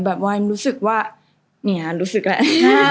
แบบว่ายิ้มรู้สึกว่าเนี่ยรู้สึกแหละ